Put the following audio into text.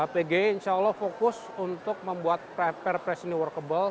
pg insya allah fokus untuk membuat perpres ini workable